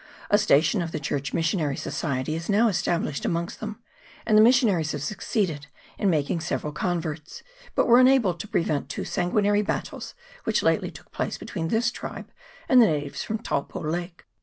A station of the Church Missionary Society is now established amongst them, and the missionaries have succeeded in making several converts, but were unable to pre vent two sanguinary battles which lately took place between this tribe and the natives from Taupo Lake.